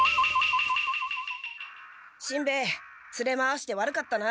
しんべヱつれ回して悪かったな。